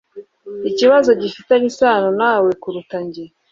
Ikibazo gifitanye isano nawe kuruta njye